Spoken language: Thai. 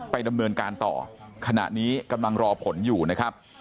ดำเนินการต่อขณะนี้กำลังรอผลอยู่นะครับ